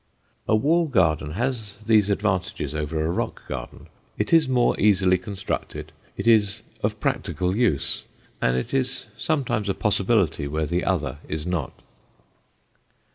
A wall garden has these advantages over a rock garden; it is more easily constructed, it is of practical use, and it is sometimes a possibility where the other is not.